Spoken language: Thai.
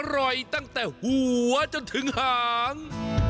อร่อยตั้งแต่หัวจนถึงหาง